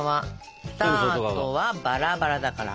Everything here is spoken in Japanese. スタートはバラバラだから。